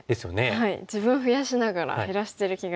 自分増やしながら減らしてる気がして。